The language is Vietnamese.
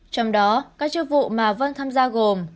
trong đó các chức vụ mà vân tham gia gồm